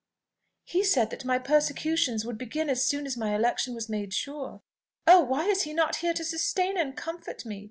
"He said that my persecutions would begin as soon as my election was made sure! Oh! why is he not here to sustain and comfort me!